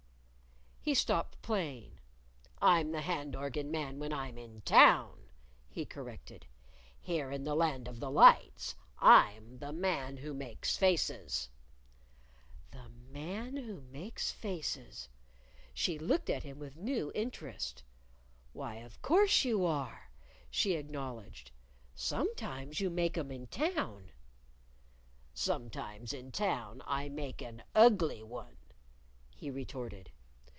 He stopped playing, "I'm the hand organ man when I'm in town," he corrected. "Here, in the Land of the Lights, I'm the Man Who Makes Faces." The Man Who Makes Faces! She looked at him with new interest. "Why, of course you are," she acknowledged. "Sometimes you make 'em in town." "Sometimes in town I make an ugly one," he retorted.